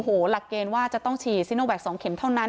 โอ้โหหลักเกณฑ์ว่าจะต้องฉีดซิโนแวค๒เข็มเท่านั้น